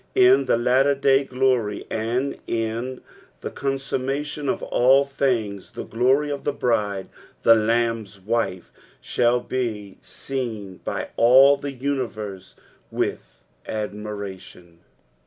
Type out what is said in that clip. In tho latter duy glory, and in ifao coDsuoimation of all thin^ the glory of the biide, the Lamb's wife, shall bo seen by all the universe with admiration.